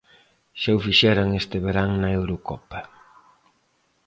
Xa o fixeran este verán na Eurocopa.